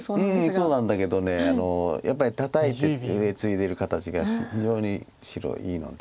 そうなんだけどやっぱりタタいて上ツイでる形が非常に白いいので。